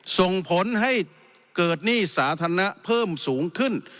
ส่งผลให้เกิดหนี้สาธารณะเพิ่มสูงขึ้น